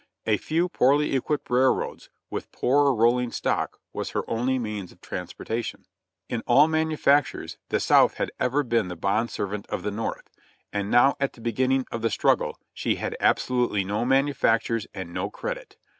A few poorly equipped railroads, with poorer rolling stock, was her only means of transportation. In all manu factures the South had ever been the bond servant of the North, and now at the beginning of the struggle she had absolutely no manufactures and no credit.